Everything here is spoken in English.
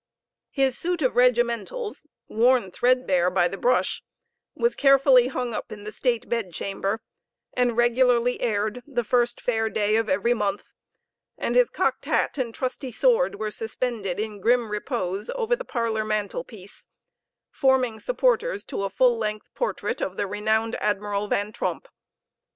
His suit of regimentals, worn threadbare by the brush, was carefully hung up in the state bedchamber, and regularly aired the first fair day of every month, and his cocked hat and trusty sword were suspended in grim repose over the parlor mantelpiece, forming supporters to a full length portrait of the renowned admiral Van Tromp.